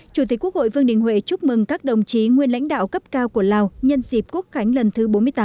chủ tịch quốc hội vương đình huệ chúc mừng các đồng chí nguyên lãnh đạo cấp cao của lào nhân dịp quốc khánh lần thứ bốn mươi tám